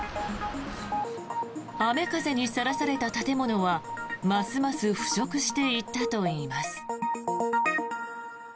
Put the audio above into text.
雨風にさらされた建物はますます腐食していったといいます。